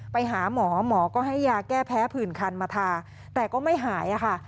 ไปหาหมอหมอก็ให้ยาแก้แพ้ผื่นคันมาทาแต่ก็ไม่หายค่ะ